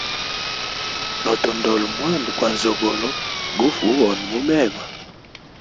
Notondola mwana gwa nzogolo gufa uhona mumema.